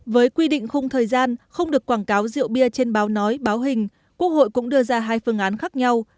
với quy định khung thời gian không được quảng cáo rượu bia trên báo nói báo hình quốc hội cũng đưa ra hai phương án khác nhau